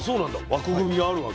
枠組みがあるわけ。